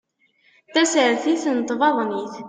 Tasertit n tbaḍnit